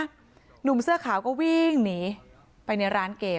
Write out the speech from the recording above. แต่คนที่เบิ้ลเครื่องรถจักรยานยนต์แล้วเค้าก็ลากคนนั้นมาทำร้ายร่างกาย